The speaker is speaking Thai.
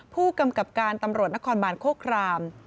ผู้กำกับการตำรวจนครบานโคคราม